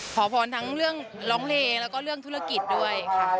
ขอพรทั้งเรื่องร้องเลแล้วก็เรื่องธุรกิจด้วยค่ะ